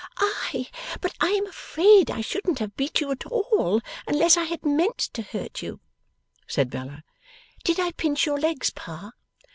'Ay, but I am afraid I shouldn't have beat you at all, unless I had meant to hurt you,' said Bella. 'Did I pinch your legs, Pa?